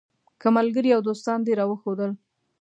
که ملګري او دوستان دې راوښودل.